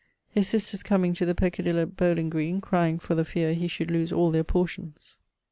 His sisters comeing to the Peccadillo bowling green crying for the feare he should loose all portions.